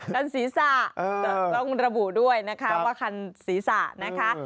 ด้านศีรษะต้องระบุด้วยนะคะว่าคันศีรษะนะคะ